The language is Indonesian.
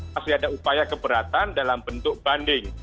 masih ada upaya keberatan dalam bentuk banding